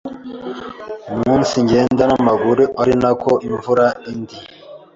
umunsigenda n’amaguru ari nako imvura indi